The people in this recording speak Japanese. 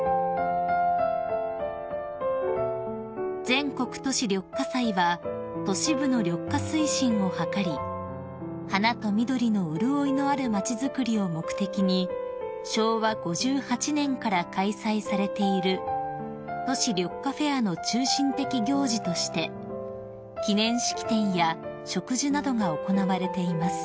［全国都市緑化祭は都市部の緑化推進を図り花と緑の潤いのあるまちづくりを目的に昭和５８年から開催されている都市緑化フェアの中心的行事として記念式典や植樹などが行われています］